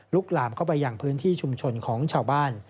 ลามเข้าไปอย่างพื้นที่ชุมชนของชาวบ้าน